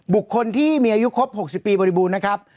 บุคคลที่มีอายุครบ๖๐ปีบริบูรณ์นะครับ